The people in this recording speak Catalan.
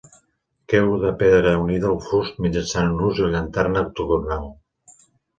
Creu de pedra unida al fust mitjançant un nus o llanterna octogonal.